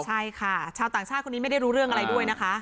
ใช่ค่ะชาวต่างชาติคนนี้ไม่ได้รู้เรื่องอะไรด้วยนะคะ